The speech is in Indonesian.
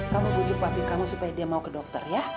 kamu bujuk pabrik kamu supaya dia mau ke dokter ya